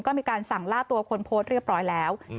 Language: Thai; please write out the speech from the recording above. ก็มีการสั่งล่าตัวคนโพสต์เรียบร้อยแล้ว